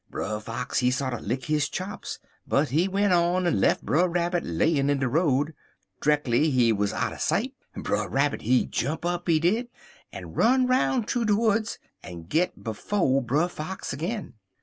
Brer Fox, he sorter lick his chops, but he went on en lef' Brer Rabbit layin' in de road. Dreckly he wuz outer sight, Brer Rabbit, he jump up, he did, en run roun' thoo de Woods en git befo Brer Fox agin.